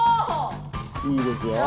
いいですよ。